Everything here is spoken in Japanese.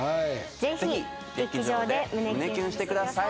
ぜひ劇場で胸キュンしてください。